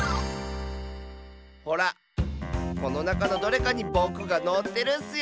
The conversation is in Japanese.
ほらこのなかのどれかにぼくがのってるッスよ。